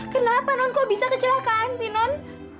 kenapa nont kok bisa kecelakaan sih nont